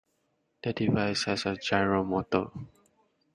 The device has a gyro motor.